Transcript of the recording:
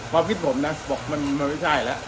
ครอบคิดผมนะบอกมันไม่ใช่ละ